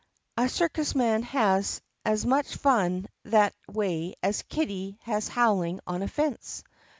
A circus man has as much fun that way as a kitty has howling on a fence."